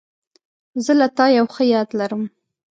زه له تا یو ښه یاد لرم.